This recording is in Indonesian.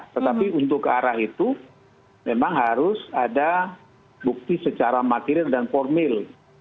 tetapi untuk ke arah itu memang harus ada bukti secara material dan formil